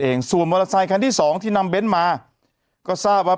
ส่วนมอเตอร์ไซคันที่สองที่นำเน้นมาก็ทราบว่า